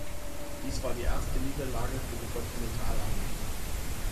Dies war die erste Niederlage für die Kontinentalarmee.